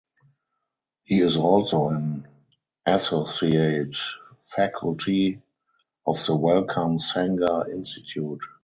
He is also an Associate Faculty of the Wellcome Sanger Institute.